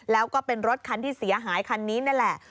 แล้วก็เป็นรถคันที่เสียหายคันนี้นั่นแหละ